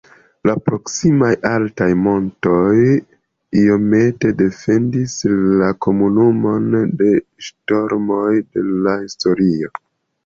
La proksimaj altaj montoj iomete defendis la komunumon de ŝtormoj de la historio.